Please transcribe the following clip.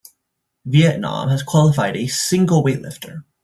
Vietnam has qualified a single weightlifter.